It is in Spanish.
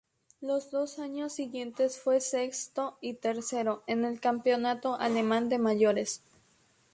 Los dos años siguientes fue sexto y tercero en el campeonato alemán de mayores.